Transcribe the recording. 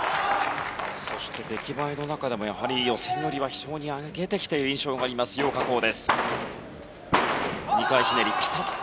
そして出来栄えの中でも予選よりは非常に上げてきている印象があるヨウ・カコウ。